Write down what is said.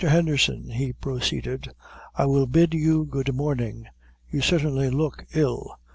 Henderson," he proceeded, "I will bid you good morning; you certainly look ill.